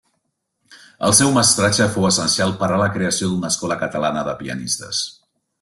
El seu mestratge fou essencial per a la creació d'una escola catalana de pianistes.